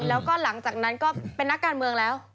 แล้วก็หลังจากนั้นก็เป็นนักการเมืองแล้ว